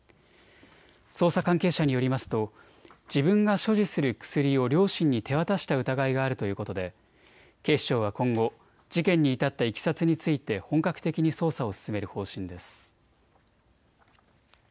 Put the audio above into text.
捜査関係者によりますと自分が所持する薬を両親に手渡した疑いがあるということで警視庁は今後、事件に至ったいきさつについて本格的に捜査を進める方針です。